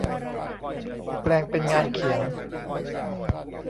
แปลงเป็นงานเขียน